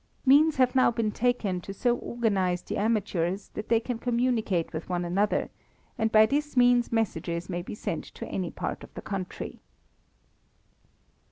Means have now been taken to so organize the amateurs that they can communicate with one another, and by this means messages may be sent to any part of the country.